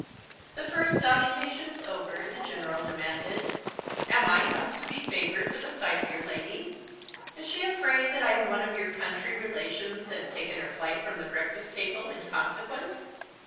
The first salutations over, the General demanded, "Am I not to be favoured with a sight of your lady? Is she afraid that I am one of your country relations, and taken her flight from the breakfast table in consequence?"